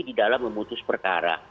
di dalam memutus perkara